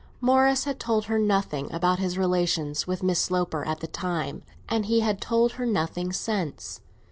Morris had told her nothing about his relations with Miss Sloper at the time, and he had told her nothing since.